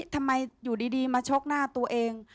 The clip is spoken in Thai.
ทำไมอยู่ดีมาชกหน้าตัวเอง